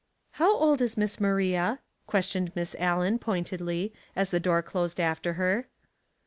"How old is Miss Maria?" questioned Miss A Uen, pointedly, as the door closed after her.